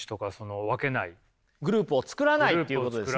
グループを作らないってことですね？